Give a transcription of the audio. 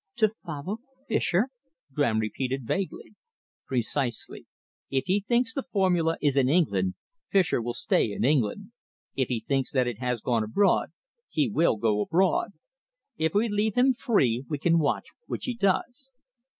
"To follow Fischer?" Graham repeated vaguely. "Precisely. If he thinks the formula is in England, Fischer will stay in England. If he thinks that it has gone abroad he will go abroad. If we leave him free we can watch which he does."